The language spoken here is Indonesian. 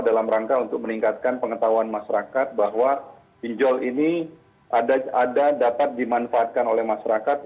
dalam rangka untuk meningkatkan pengetahuan masyarakat bahwa pinjol ini ada dapat dimanfaatkan oleh masyarakat